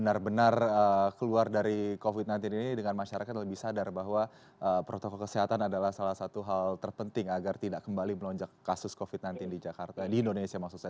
agar benar keluar dari covid sembilan belas ini dengan masyarakat lebih sadar bahwa protokol kesehatan adalah salah satu hal terpenting agar tidak kembali melonjak kasus covid sembilan belas di jakarta di indonesia maksud saya